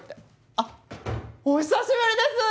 あっお久しぶりです！